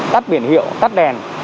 tắt biển hiệu tắt đèn